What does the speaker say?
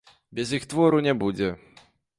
Без іх твору не будзе.